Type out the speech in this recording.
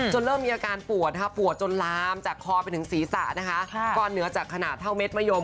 จนเริ่มมีอาการปวดจนลามจากคอไปถึงศีรษะก้อนเหนือจากขนาดเท่าเม็ดมายม